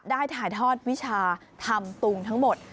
ได้ถ่ายทอดวิชาทำตุงทั้งหมด